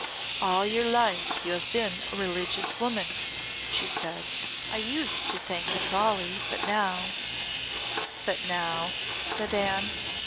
"All your life you have been a religious woman," she said. "I used to think it folly, but now " "But now " said Anne.